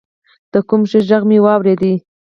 د کوم شي ږغ مې اورېده.